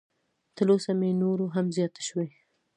تلوسه مې نوره هم زیاته شوه.